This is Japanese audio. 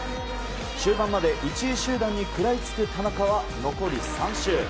終盤まで１位集団に食らいつく田中は残り３周。